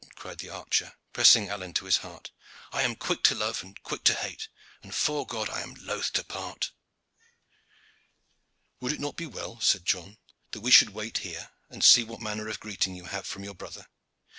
cried the archer, pressing Alleyne to his heart. "I am quick to love, and quick to hate and 'fore God I am loth to part." "Would it not be well," said John, "that we should wait here, and see what manner of greeting you have from your brother.